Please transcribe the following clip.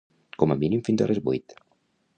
Com a mínim fins a les vuit.